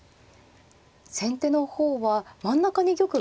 先手の方は真ん中に玉が。